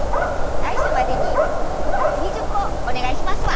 来週までに２０個お願いしますわ。